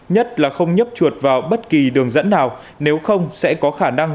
nhất là không nhấp chuột vào bất kỳ đường dẫn nào nếu không sẽ có khả năng